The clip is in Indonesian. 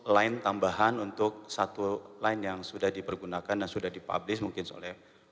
line tambahan untuk satu line yang sudah dipergunakan dan sudah dipublish mungkin oleh